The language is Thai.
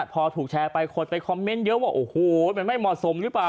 พอถูกแชร์ไปคนไปคอมเมนต์เยอะว่าโอ้โหมันไม่เหมาะสมหรือเปล่า